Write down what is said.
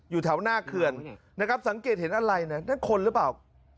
อยู่แถวหน้าเคือนสังเกตเห็นอะไรนั่นคนหรือเปล่า